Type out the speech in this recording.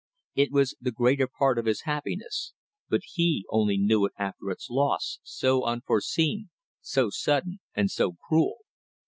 It was the greater part of his happiness, but he only knew it after its loss, so unforeseen, so sudden and so cruel.